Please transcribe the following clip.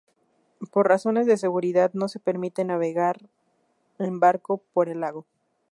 Por razones de seguridad, no se permite navegar en barco por el lago.